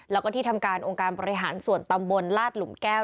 แล้วก็ที่ทำการองค์การบริหารส่วนตำบลลาดหลุมแก้ว